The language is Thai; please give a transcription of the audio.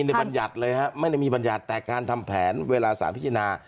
บรรยัติเลยฮะไม่ได้มีบรรยัติแต่การทำแผนเวลาสารพิจารณา